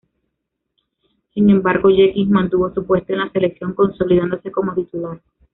Sin embargo Jenkins mantuvo su puesto en la selección consolidándose como titular.